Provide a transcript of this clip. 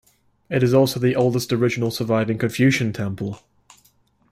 It is also the oldest original surviving Confucian temple.